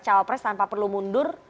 cawapres tanpa perlu mundur